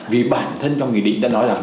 vì bản thân trong nghị định đã nói rằng